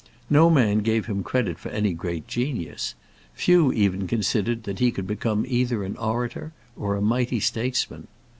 No man gave him credit for any great genius few even considered that he could become either an orator or a mighty statesman.